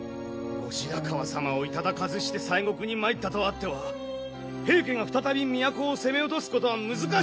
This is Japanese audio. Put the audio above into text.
後白河様をいただかずして西国に参ったとあっては平家が再び都を攻め落とすことは難しゅうございますぞ！